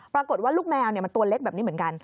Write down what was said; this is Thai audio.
ปรากฏว่าลูกแมวมันตัวเล็กแบบนี้เหมือนกัน